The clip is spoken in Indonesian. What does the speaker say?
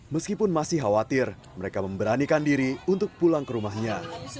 meskipun masih khawatir mereka memberanikan diri untuk pulang ke rumahnya